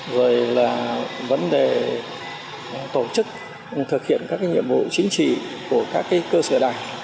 rồi là vấn đề tổ chức thực hiện các nhiệm vụ chính trị của các cơ sở đảng